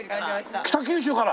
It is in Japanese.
北九州から！